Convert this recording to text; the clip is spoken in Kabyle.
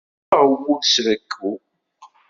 Yesleɣ wul s rekku.